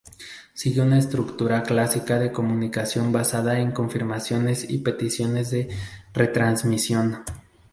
Sigue una estructura clásica de comunicación basada en confirmaciones y peticiones de retransmisión.